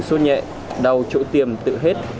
sốt nhẹ đau chỗ tiêm tự hết